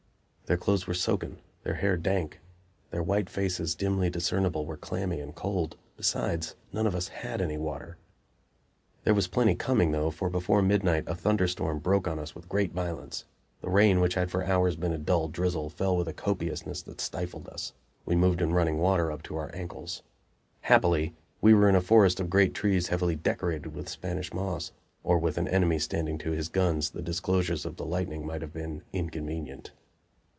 Their clothes were soaken, their hair dank; their white faces, dimly discernible, were clammy and cold. Besides, none of us had any water. There was plenty coming, though, for before midnight a thunderstorm broke upon us with great violence. The rain, which had for hours been a dull drizzle, fell with a copiousness that stifled us; we moved in running water up to our ankles. Happily, we were in a forest of great trees heavily "decorated" with Spanish moss, or with an enemy standing to his guns the disclosures of the lightning might have been inconvenient.